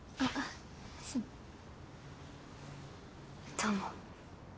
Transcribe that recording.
どうも。